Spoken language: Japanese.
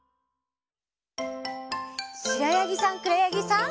しろやぎさんくろやぎさん。